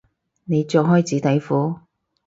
你着開紙底褲？